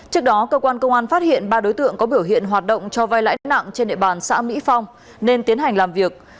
trước đó cơ quan công an phát hiện ba đối tượng có biểu hiện hoạt động cho vai lãi nặng trên địa bàn xã mỹ phong nên tiến hành làm việc